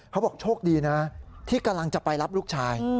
เขาบอกโชคดีนะที่กำลังจะไปรับลูกชาย